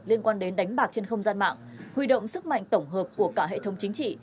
liên quan đến đánh bạc trên không gian mạng huy động sức mạnh tổng hợp của cả hệ thống chính trị